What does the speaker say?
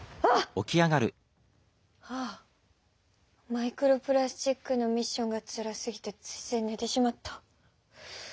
マイクロプラスチックのミッションがつらすぎてついついねてしまった！